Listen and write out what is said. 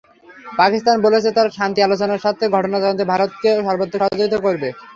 পাকিস্তান বলেছে, তারা শান্তি আলোচনার স্বার্থে ঘটনা তদন্তে ভারতকে সর্বাত্মক সহযোগিতা করবে।